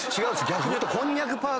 逆に言うと。